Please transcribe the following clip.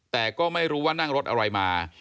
แต่ก็ไม่รู้ว่านั่งรถอะไรมา